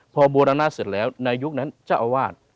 พอบูรณาตเสร็จแล้วในยุคนั้นเจ้าอาวาส